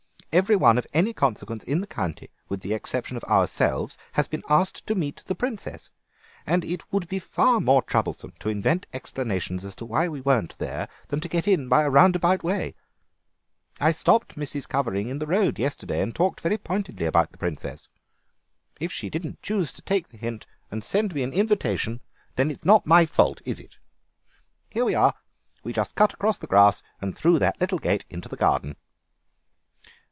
Every one of any consequence in the county, with the exception of ourselves, has been asked to meet the Princess, and it would be far more troublesome to invent explanations as to why we weren't there than to get in by a roundabout way. I stopped Mrs. Cuvering in the road yesterday and talked very pointedly about the Princess. If she didn't choose to take the hint and send me an invitation it's not my fault, is it? Here we are: we just cut across the grass and through that little gate into the garden."